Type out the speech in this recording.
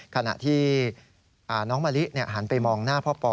ขณะที่น้องมะลิหันไปมองหน้าพ่อปอ